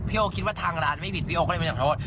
โอคิดว่าทางร้านไม่ผิดพี่โอก็เลยไม่อยากโทษ